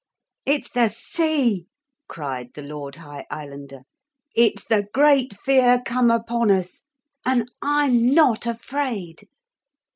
'It's the sea,' cried the Lord High Islander; 'it's the great Fear come upon us! And I'm not afraid!'